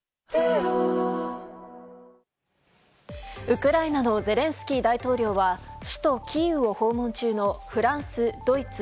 ウクライナのゼレンスキー大統領は首都キーウを訪問中のフランス、ドイツ